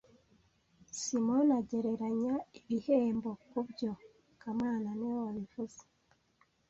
Simoni agereranya ibihembo kubyo kamana niwe wabivuze